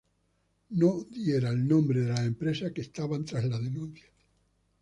no diera el nombre de las empresas que estaban tras la denuncia